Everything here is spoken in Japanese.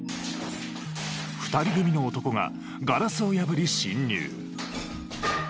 ２人組の男がガラスを破り侵入。